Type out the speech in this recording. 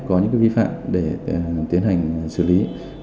có những vi phạm để tiến hành xử lý